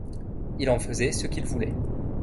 Il en faisait ce qu’il voulait.